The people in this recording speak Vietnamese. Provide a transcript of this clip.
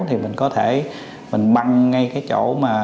thì mình có thể mình băng ngay cái chỗ mà